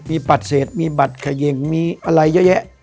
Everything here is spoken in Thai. มีบัตรเศษมีบัตรเขย่งมีอะไรเยอะแยะ